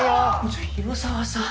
ちょ広沢さん。